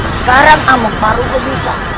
sekarang amuk marugul bisa